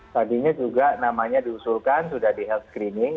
tadinya juga namanya diusulkan sudah di health screening